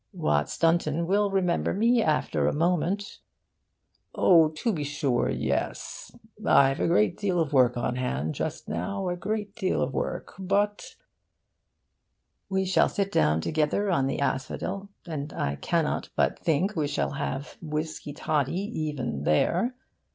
Watts Dunton will remember me after a moment: 'Oh, to be sure, yes indeed! I've a great deal of work on hand just now a great deal of work, but' we shall sit down together on the asphodel, and I cannot but think we shall have whisky toddy even there.